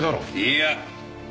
いいや！